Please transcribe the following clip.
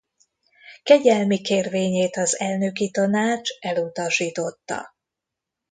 Kegyelmi kérvényét az Elnöki Tanács elutasította.